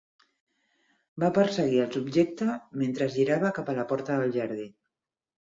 Va perseguir el subjecte mentre girava cap a la porta del jardí.